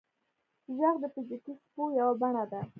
• ږغ د فزیکي څپو یوه بڼه ده.